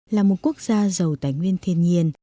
là một quốc gia giàu tài nguyên thiên nhiên